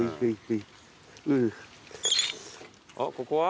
あっここは？